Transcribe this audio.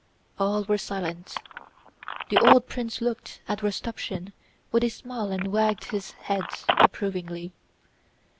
All were silent. The old prince looked at Rostopchín with a smile and wagged his head approvingly.